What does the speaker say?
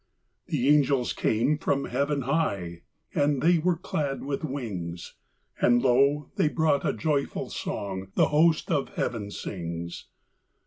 The angels came from heaven high, And they were clad with wings; And lo, they brought a joyful song The host of heaven sings.